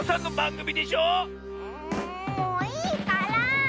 んもういいから。